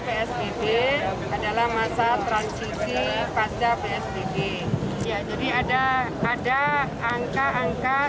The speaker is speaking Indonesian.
transisi menuju new normal atau bagaimana ini kan masih proses ini menjadi tingkat di tiap hari sementara